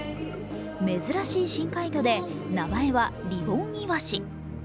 珍しい深海魚で名前はリボンイワシ。